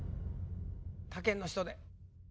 他県の人で。